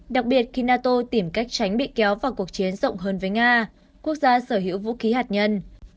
đặc biệt khi nato tìm cách tránh bị kéo vào cuộc chiến rộng hơn với nga quốc gia sở hữu vũ khí hạt nhân